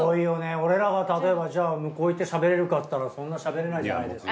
俺らが例えばじゃあ向こう行ってしゃべれるかっていったらそんなしゃべれないじゃないですか。